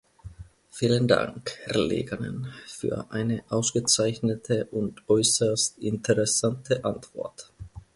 Vielen Dank, Herr Liikanen, für eine ausgezeichnete und äußerst interessante Antwort.